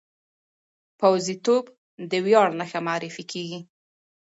پوځي توب د ویاړ نښه معرفي کېږي.